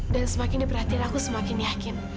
dan semakin diperhatikan aku semakin yakin